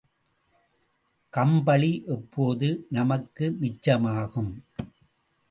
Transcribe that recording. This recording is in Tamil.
கம்பளி எப்போது நமக்கு மிச்சம் ஆகும்?